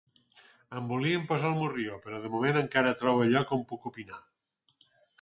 Em volien posar el morrió, però de moment encara trobo lloc on puc opinar.